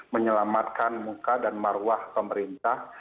menyelamatkan muka dan marwah pemerintah